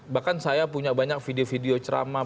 bahkan saya punya banyak video video ceramah